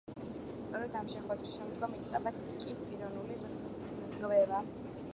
სწორედ ამ შეხვედრის შემდგომ იწყება დიკის პიროვნული რღვევა.